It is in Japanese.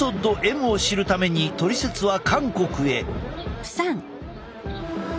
Ｍを知るために「トリセツ」は韓国へ。